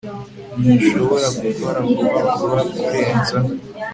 Ntushobora gukora vuba vuba kurenza